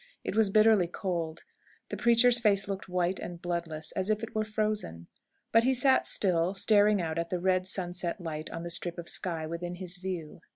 It was bitterly cold. The preacher's face looked white and bloodless, as if it were frozen. But he sat still, staring out at the red sunset light on the strip of sky within his view.